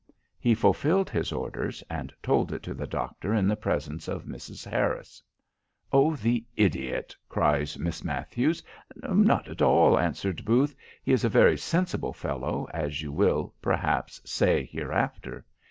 He fulfilled his orders and told it to the doctor in the presence of Mrs. Harris." "Oh, the idiot!" cries Miss Matthews. "Not at all," answered Booth: "he is a very sensible fellow, as you will, perhaps, say hereafter.